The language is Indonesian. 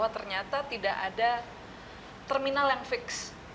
ternyata tidak ada terminal yang fix